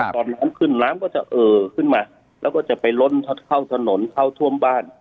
ตอนน้ำขึ้นน้ำก็จะเอ่อขึ้นมาแล้วก็จะไปล้นเข้าถนนเข้าท่วมบ้าน